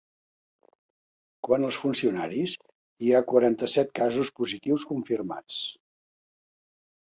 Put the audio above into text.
Quant als funcionaris, hi ha quaranta-set casos positius confirmats.